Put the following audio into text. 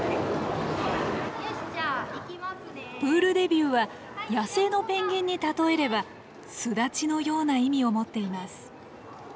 プールデビューは野生のペンギンに例えれば巣立ちのような意味を持っています。